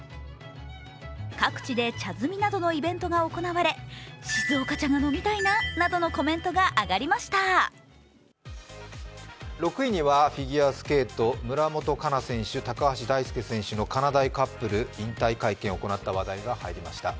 各地で茶摘みなどのイベントが行われ静岡茶が飲みたいななどのイベントが行われ６位にはフィギュアスケート村元哉中選手、高橋大輔選手のかなだいカップル、引退会見を行った話題が入りました。